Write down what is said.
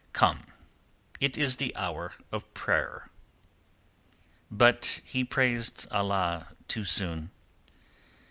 "Come, it is the hour of prayer!" But he praised Allah too soon.